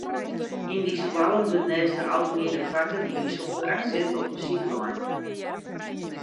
Yn dy skoallen wurdt neist de algemiene fakken in bysûnder aksint op muzyk lein.